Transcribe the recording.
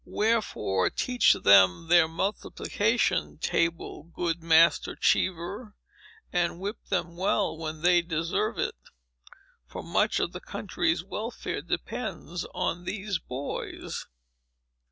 Wherefore, teach them their multiplication table, good Master Cheever, and whip them well, when they deserve it; for much of the country's welfare depends on these boys!